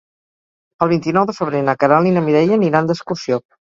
El vint-i-nou de febrer na Queralt i na Mireia aniran d'excursió.